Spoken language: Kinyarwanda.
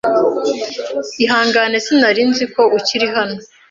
Ihangane, sinari nzi ko ukiri hano.